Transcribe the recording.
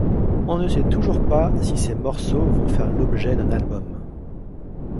On ne sait toujours pas si ces morceaux vont faire l'objet d'un album.